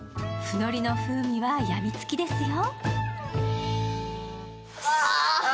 ふのりの風味は病みつきですよ。